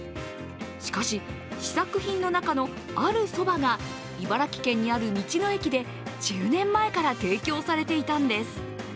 しかし、試作品の中のあるそばが茨城県にある道の駅で１０年前から提供されていたんです。